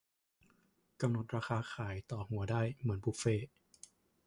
- กำหนดราคาขายต่อหัวได้ เหมือนบุฟเฟต์